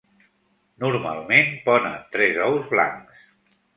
Normalment ponen tres ous blancs.